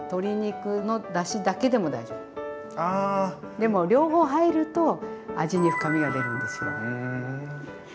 でも両方入ると味に深みが出るんですよねえ。